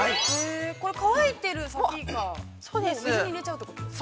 ◆これ、乾いているさきイカを水に入れちゃうということですか。